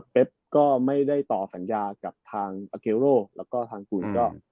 เป๊บก็ไม่ได้ต่อสัญญากับทางอเกลโรแล้วก็ทางกูล